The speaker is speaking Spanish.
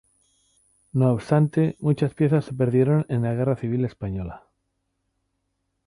No obstante, muchas piezas se perdieron en la Guerra Civil Española.